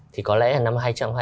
thì có lẽ năm hai nghìn hai mươi bốn